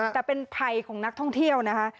แต่เป็นภัยของนักท่องเที่ยวนะคะ